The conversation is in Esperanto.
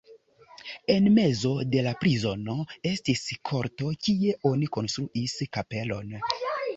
En mezo de la prizono estis korto, kie oni konstruis kapelon.